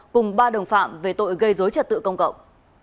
cùng ba đồng phạm về tội gây dối trật tự công cộng